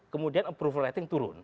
kemudian approval rating turun